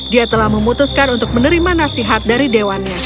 dia telah memutuskan untuk menerima nasihat dari dewannya